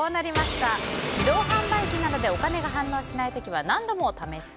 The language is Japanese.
自動販売機などでお金が反応しない時は何度も試す？